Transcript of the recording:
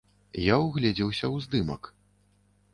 Я ўгледзеўся ў здымак.